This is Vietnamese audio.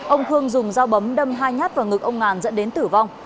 ông khương dùng dao bấm đâm hai nhát vào ngực ông ngàn dẫn đến tử vong